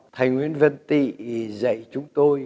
thầy nguyễn văn tị dạy chúng tôi